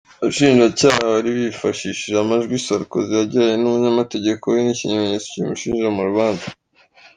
Abashinjacyaha bari bifashishije amajwi Sarkozy yagiranye n’umunyamategeko we nk’ikimeneytso kimushinja mu rubanza.